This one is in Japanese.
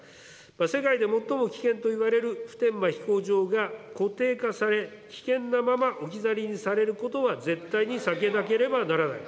世界で最も危険といわれる普天間飛行場が固定化され、危険なまま置き去りにされることは絶対に避けなければならない。